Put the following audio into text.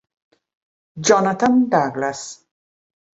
Jonathan Douglas